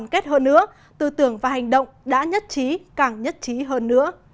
kết hơn nữa tư tưởng và hành động đã nhất trí càng nhất trí hơn nữa